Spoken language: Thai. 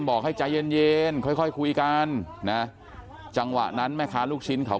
บอกให้ใจเย็นค่อยคุยกันจังหวะนั้นแม่ค้าลูกชิ้นเขา